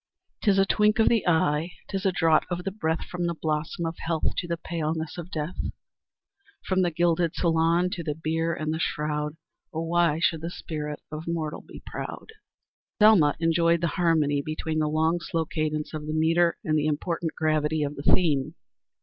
"'Tis a twink of the eye, 'tis a draught of the breath From the blossom of health to the paleness of death; From the gilded saloon to the bier and the shroud, O why should the spirit of mortal be proud?" Selma enjoyed the harmony between the long, slow cadence of the metre and the important gravity of the theme.